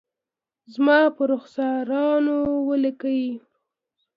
زما پر رخسارونو ولیکلي